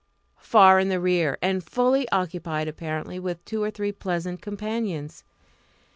Far in the rear! and fully occupied apparently with two or three pleasant companions.